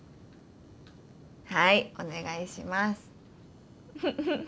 はいお願いします。